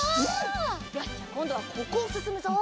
よしこんどはここをすすむぞ。